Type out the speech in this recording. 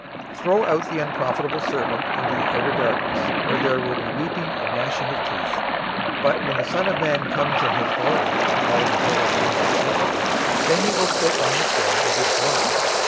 025:030 Throw out the unprofitable servant into the outer darkness, where there will be weeping and gnashing of teeth.' 025:031 "But when the Son of Man comes in his glory, and all the holy angels with him, then he will sit on the throne of his glory.